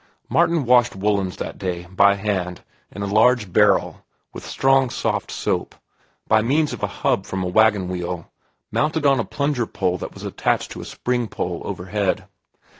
Martin washed woollens that day, by hand, in a large barrel, with strong soft soap, by means of a hub from a wagon wheel, mounted on a plunger pole that was attached to a spring pole overhead.